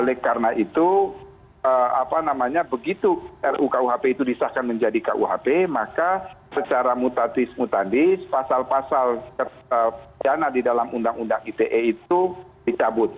oleh karena itu begitu rukuhp itu disahkan menjadi kuhp maka secara mutatis mutandis pasal pasal pidana di dalam undang undang ite itu dicabut